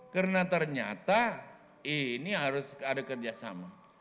karena ternyata ini harus ada kerjasama